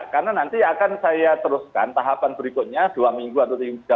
karena nanti akan saya teruskan tahapan berikutnya dua minggu atau tiga minggu